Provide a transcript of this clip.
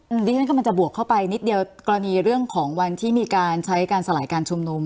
ดิฉันกำลังจะบวกเข้าไปนิดเดียวกรณีเรื่องของวันที่มีการใช้การสลายการชุมนุม